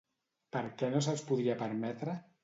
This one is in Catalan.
Per què no se'ls podia permetre?